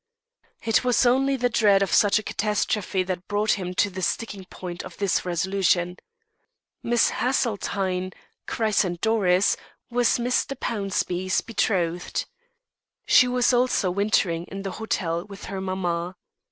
It was only the dread of such a catastrophe that brought him to the "sticking point" of his resolution. Miss Haseltine christened Doris was Mr. Pownceby's betrothed. She also was wintering in the hotel with her mamma.